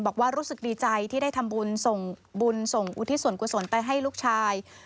บอกว่ารู้สึกดีใจที่ได้ทำบุญ